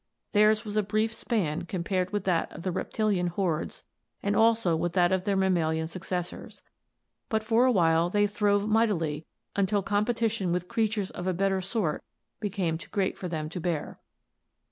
Theirs was a brief span compared with that of the reptilian hordes and also with that of their mammalian suc cessors; but for a while they throve mightily until competition with creatures of a better sort became too great for them to bear.